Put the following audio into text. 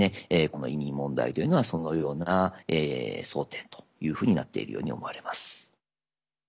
この移民問題というのはそのような争点というふうになっているように思われます。